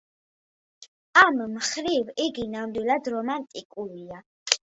ამ მხრივ იგი ნამდვილად რომანტიკულია.